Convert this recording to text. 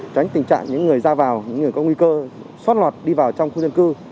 tránh tình trạng những người ra vào những người có nguy cơ sót lọt đi vào trong khu dân cư